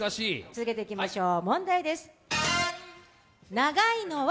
続けていきましょう。